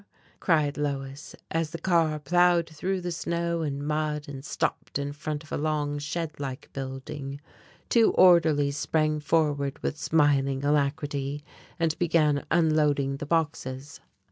cried Lois, as the car plowed through the snow and mud and stopped in front of a long shed like building. Two orderlies sprang forward with smiling alacrity and began unloading the boxes.